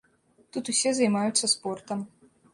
Тут усе займаюцца спортам.